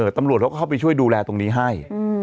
ตำรวจเขาก็เข้าไปช่วยดูแลตรงนี้ให้